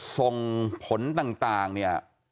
ส่งผลต่างเนี่ย